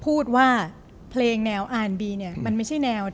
พี่เริ่มมาเป็นอย่างงี้พ่อเป็นอย่างงี้พ่อเป็นอย่างงี้พ่อเป็นอย่างงี้